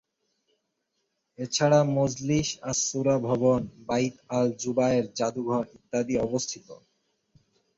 এছাড়া মজলিস আস সূরা ভবন, বাইত আল জুবায়ের জাদুঘর ইত্যাদি অবস্থিত।